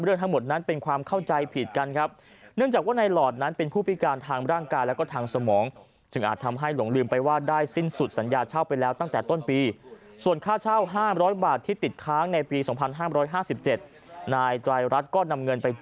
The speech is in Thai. เรื่องทั้งหมดนั้นเป็นความเข้าใจผิดกันครับเนื่องจากว่าในหลอดนั้นเป็นผู้พิการทางร่างกายแล้วก็ทางสมอง